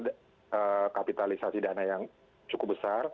ada kapitalisasi dana yang cukup besar